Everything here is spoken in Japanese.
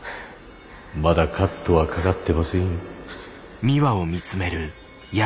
まだカットはかかってませんよ。